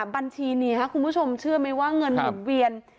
บัญชีนี้คุณผู้ชมเชื่อไหมว่าเงินหมุนเวียน